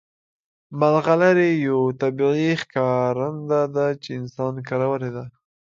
ملغلرې یو طبیعي ښکارنده ده چې انسان کارولې ده